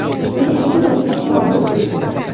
এটি অ্যাসোসিয়েশনের সবচেয়ে সম্মানজনক পুরস্কার।